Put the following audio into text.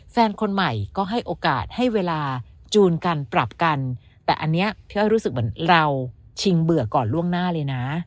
แฟนคนใหม่ก็ให้โอกาสให้เวลาจูนกันปรับกันแต่อันนี้พี่อ้อยรู้สึกเหมือนเราชิงเบื่อก่อนล่วงหน้าเลยนะ